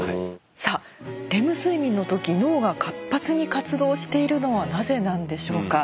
さあレム睡眠の時脳が活発に活動しているのはなぜなんでしょうか。